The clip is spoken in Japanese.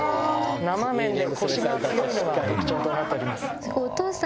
生麺でコシが強いのが特徴となっております。